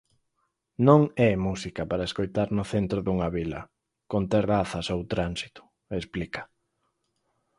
"Non é música para escoitar no centro dunha vila, con terrazas ou tránsito", explica.